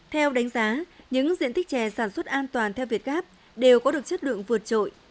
theo đánh giá những diện tích chè sản xuất an toàn theo việt gáp đều có được chất lượng vượt trội